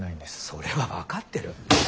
それは分かってる。